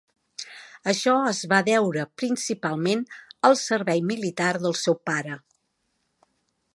Això es va deure principalment al servei militar del seu pare.